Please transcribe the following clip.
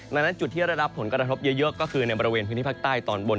ดังนั้นจุดที่ได้รับผลกระทบเยอะก็คือในบริเวณพื้นที่ภาคใต้ตอนบน